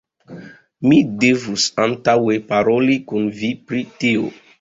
Mi devus antaŭe paroli kun vi pri tio.